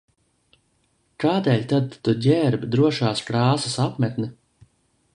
Kādēļ tad tu ģērb drošās krāsas apmetni?